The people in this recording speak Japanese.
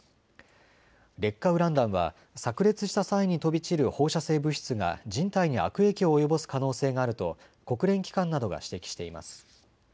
劣化ウラン弾はさく裂した際に飛び散る放射性物質が人体に悪影響を及ぼす可能性があると国連機関などが指摘しています。